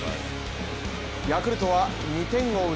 ヤクルトは２点を追う